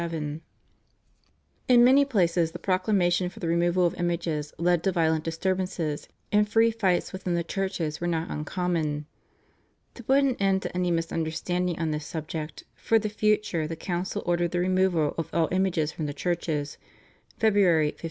In many places the proclamation for the removal of images led to violent disturbances, and free fights within the churches were not uncommon. To put an end to any misunderstanding on this subject for the future the council ordered the removal of all images from the churches (Feb. 1548).